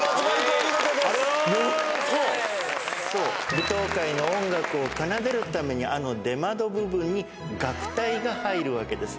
舞踏会の音楽を奏でるためにあの出窓部分に楽隊が入るわけですね。